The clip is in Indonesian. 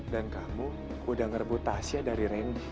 dan kamu udah ngerebut tasya dari randy